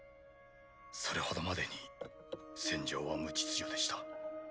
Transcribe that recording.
それほどまでに戦場は無秩序でした。